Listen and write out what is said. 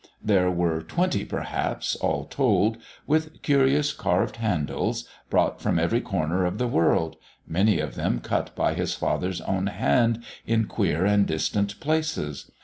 There were twenty, perhaps, all told, with curious carved handles, brought from every corner of the world; many of them cut by his father's own hand in queer and distant places.